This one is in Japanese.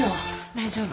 大丈夫。